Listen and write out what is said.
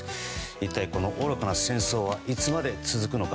一体この愚かな戦争はいつまで続くのか。